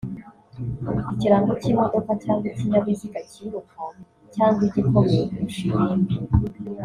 ikirango cy’imodoka cyangwa ikinyabiziga cyiruka cyangwa igikomeye kurusha ibindi